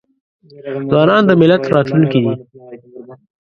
ځوانان د ملت راتلونکې دي.